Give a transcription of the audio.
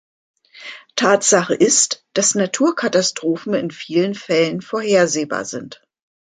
Tatsache ist, dass Naturkatastrophen in vielen Fällen vorhersehbar sind.